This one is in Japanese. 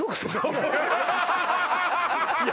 いや